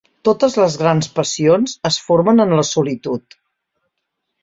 Totes les grans passions es formen en la solitud.